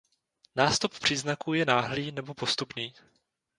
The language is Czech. Nástup příznaků je náhlý nebo postupný.